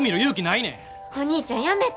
お兄ちゃんやめて。